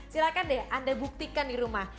silahkan deh anda buktikan di rumah